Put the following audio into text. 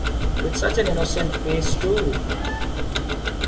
With such an innocent face, too!